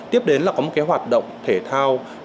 tiếp đến là có một cái hoạt động thể thao